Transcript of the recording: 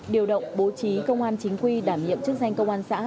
điều động bố trí công an chính quy đảm nhiệm chức danh công an xã